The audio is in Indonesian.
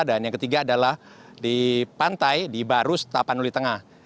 dan yang ketiga adalah di pantai di barus tapanuli tengah